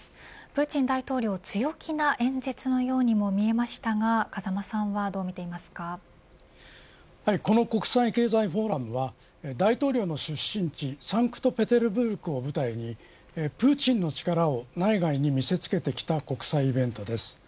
プーチン大統領、強気な演説のようにも見えましたがこの国際経済フォーラムは大統領の出身地サンクトペテルブルクを舞台にプーチンの力を内外に見せつけてきた国際イベントです。